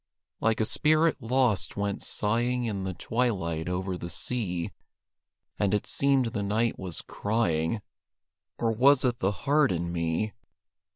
Like a spirit lost went sighing In the twilight over the sea; And it seemed the night was crying Or was it the heart in me?